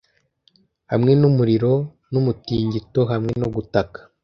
Hamwe n'umuriro n'umutingito hamwe no gutaka?